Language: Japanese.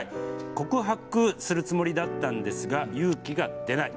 告白するつもりだったんですが勇気が出ない。